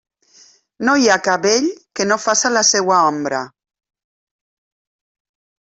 No hi ha cabell que no faça la seua ombra.